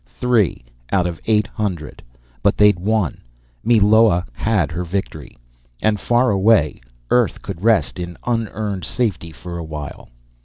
Three out of eight hundred but they'd won! Meloa had her victory. And far away, Earth could rest in unearned safety for a while.